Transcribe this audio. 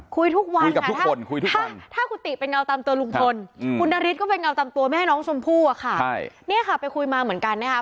คุยทุกวันค่ะถ้าคุณติเป็นเงาตำตัวลุงพลคุณณฤทธิ์ก็เป็นเงาตำตัวแม่น้องชมพู่อะค่ะนี่ค่ะไปคุยมาเหมือนกันนะครับ